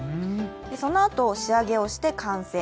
そのあと仕上げをして完成。